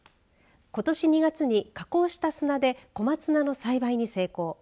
ことし２月に加工した砂で小松菜の栽培に成功。